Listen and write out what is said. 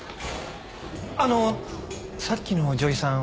あのうさっきの女医さん